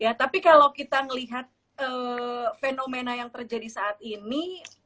ya tapi kalau kita melihat fenomena yang terjadi saat ini